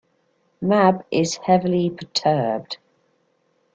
Mab is heavily perturbed.